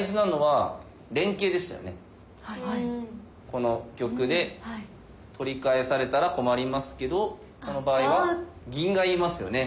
この玉で取り返されたら困りますけどこの場合は銀がいますよね。